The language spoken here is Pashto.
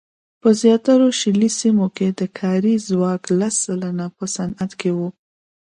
په زیاترو شلي سیمو کې د کاري ځواک لس سلنه په صنعت کې وو.